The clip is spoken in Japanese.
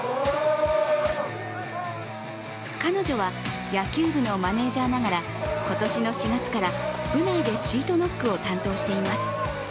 彼女は、野球部のマネージャーながら、今年の４月から、部内でシートノックを担当しています。